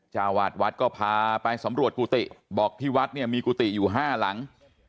วาดวัดก็พาไปสำรวจกุฏิบอกที่วัดเนี่ยมีกุฏิอยู่ห้าหลัง